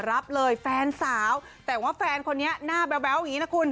รับเลยแฟนสาวแต่ว่าแฟนคนนี้หน้าแบ๊วอย่างนี้นะคุณ